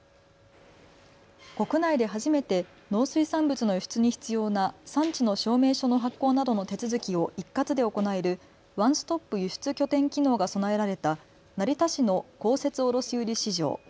国内で初めて農水産物の輸出に必要な産地の証明書の発行などの手続きを一括で行えるワンストップ輸出拠点機能が備えられた成田市の公設卸売市場。